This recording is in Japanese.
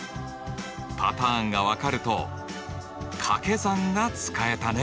パターンが分かると掛け算が使えたね。